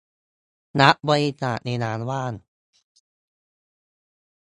รับบริจาค "เวลาว่าง"